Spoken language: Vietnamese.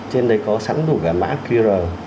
trên đây có sẵn đủ cái mã qr